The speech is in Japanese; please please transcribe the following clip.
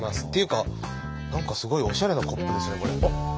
っていうか何かすごいおしゃれなコップですねこれ。